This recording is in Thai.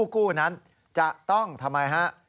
กู้นั้นจะต้องทำไมฮะ